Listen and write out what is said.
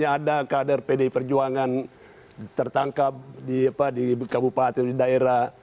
agar pdi perjuangan tertangkap di kabupaten di daerah